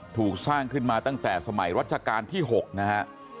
ถูกสร้างขึ้นมาตั้งแต่สมัยรัชกาลที่๖นะฮะ